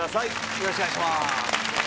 よろしくお願いします。